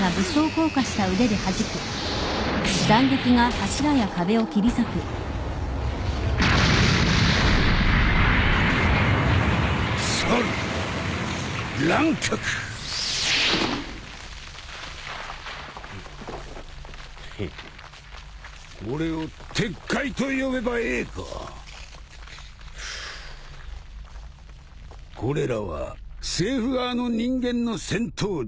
これらは政府側の人間の戦闘術六式。